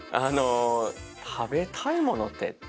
食べたいものって。